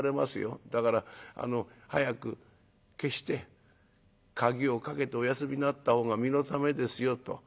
だから早く消して鍵を掛けてお休みになった方が身のためですよ』と。